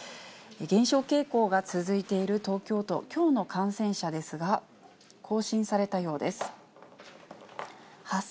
減少傾向が続いている東京都、きょうの感染者ですが、更新されたようです。